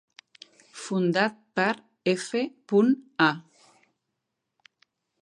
Fundat per F. A